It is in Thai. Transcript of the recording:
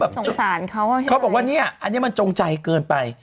สงสารเขาอ่ะเขาบอกว่าเนี่ยอันนี้มันจงใจเกินไป